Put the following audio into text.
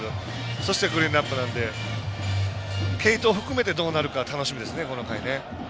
そして、クリーンアップなので継投含めて、どうなるか楽しみですね、この回。